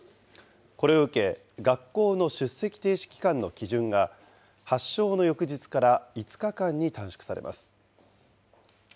これを受け、学校の出席停止期間の基準が発症の翌日から５日間に短縮されます。